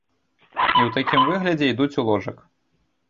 І ў такім выглядзе ідуць у ложак.